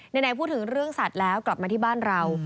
ไหนพูดถึงเรื่องสัตว์แล้วกลับมาที่บ้านเรา